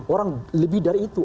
orang lebih dari itu